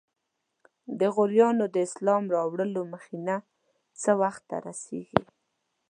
د غوریانو د اسلام راوړلو مخینه څه وخت ته رسیږي؟